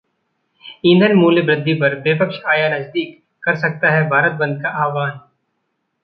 ईंधन मूल्यवृद्धि पर विपक्ष आया नजदीक, कर सकता है भारत बंद का आह्वान